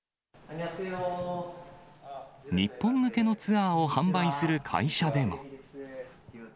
日本向けのツアーを販売する会社でも。